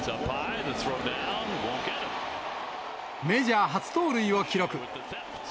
メジャー初盗塁を記録。